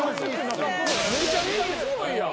めちゃめちゃすごいやん。